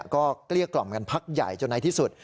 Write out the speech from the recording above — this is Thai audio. ก็เกลี้ยกล่อมกันพักใหญ่จนในที่สุด